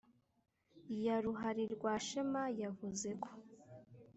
Ya ruharirwashema yavuze ko